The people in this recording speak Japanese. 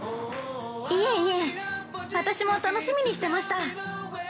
◆いえいえ、私も楽しみにしてました。